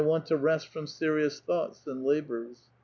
want to rest from serious thooghts and labors.